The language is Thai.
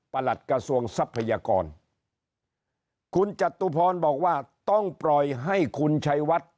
หลัดกระทรวงทรัพยากรคุณจตุพรบอกว่าต้องปล่อยให้คุณชัยวัด